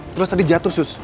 terus tadi jatuh sus